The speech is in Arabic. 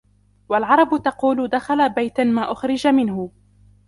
وَالْعَرَبُ تَقُولُ دَخَلَ بَيْتًا مَا أُخْرِجَ مِنْهُ